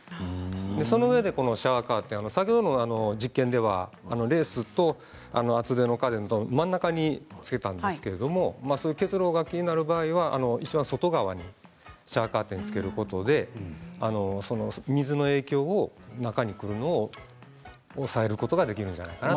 そのうえでシャワーカーテン、先ほどの実験ではレースと厚手のカーテンの真ん中に付けましたけれども結露が気になる場合はいちばん外側にシャワーカーテンを付けることで水の影響を中に来るのを抑えることができるんじゃないかなと。